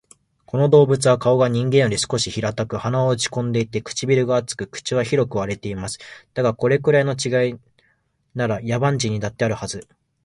この動物は顔が人間より少し平たく、鼻は落ち込んでいて、唇が厚く、口は広く割れています。だが、これくらいの違いなら、野蛮人にだってあるはず